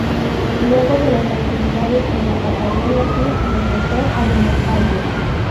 Luego de las actividades en la Patagonia sur, regresó a Buenos Aires.